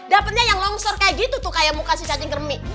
dapatnya yang longsor kayak gitu tuh kayak mau kasih cacing kermik